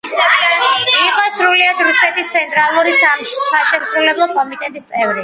იყო სრულიად რუსეთის ცენტრალური საშემსრულებლო კომიტეტის წევრი.